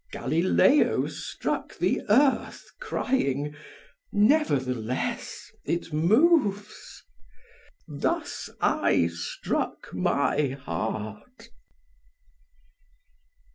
Galileo struck the earth, crying: "Nevertheless it moves!" Thus I struck my heart.